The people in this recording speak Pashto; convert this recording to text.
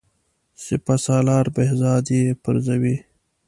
سپه سالار بهزاد یې پرزوي.